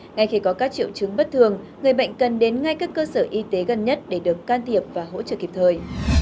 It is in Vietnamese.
ngay khi có các triệu chứng bất thường người bệnh cần đến ngay các cơ sở y tế gần nhất để được can thiệp và hỗ trợ kịp thời